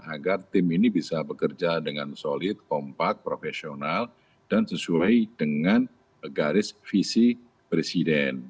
agar tim ini bisa bekerja dengan solid kompak profesional dan sesuai dengan garis visi presiden